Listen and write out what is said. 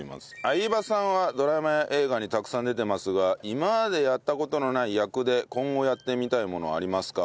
相葉さんはドラマや映画にたくさん出ていますが今までやった事のない役で今後やってみたいものはありますか？